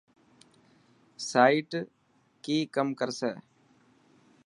سائيٽ ڪي ڪم ڪرسي.